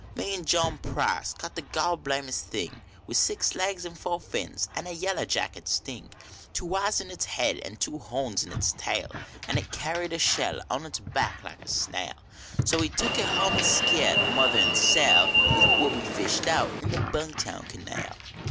Me an John Price caught the gol blamedest thing, With six legs n four fins n a valler jack sting, Two eyes in its head an two horns in its tail, An it carried a shell on its back like a snail, So we tuck it home an skeer d mother an Sal Ith what we fished out of the Bung Town Canal.